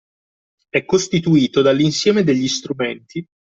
È costituito dall’insieme degli strumenti